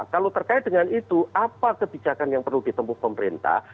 kalau terkait dengan itu apa kebijakan yang perlu ditemukan pemerintah